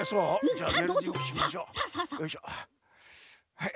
はい。